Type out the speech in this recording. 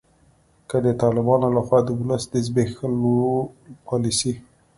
که د طالبانو لخوا د ولس د زبیښولو پالسي